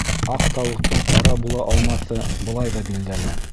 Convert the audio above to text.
Аҡ тауыҡтың ҡара була алмаҫы былай ҙа билдәле.